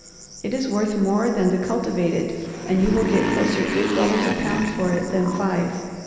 It is worth more than the cultivated and you will get closer eight dollars a pound for it than five.